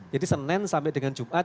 jadi senin sampai dengan jumat